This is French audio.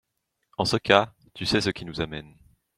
En ce cas, tu sais ce qui nous amène.